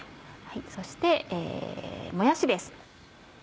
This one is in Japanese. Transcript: そしてもやしです。